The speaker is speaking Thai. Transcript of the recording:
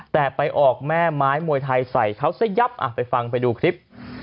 แต่ไปออกแม่ไม้มวยไทยใส่เขาซะยับไปฟังไปดูคลิป